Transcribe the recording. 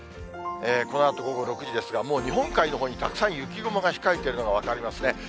このあと午後６時ですが、もう日本海のほうにたくさん雪雲が控えているのが分かりますね。